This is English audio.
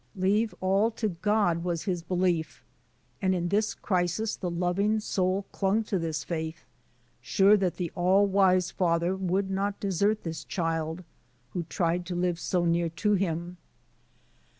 "Leave all to God,*' was his belief; and in this crisis the loving soul clung to this faith, sure that the Allwise Father would not desert this child who tried to live so near to Him.